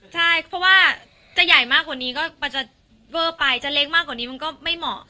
ใช่เพราะว่าจะใหญ่มากกว่านี้ก็จะเวอร์ไปจะเล็กมากกว่านี้มันก็ไม่เหมาะ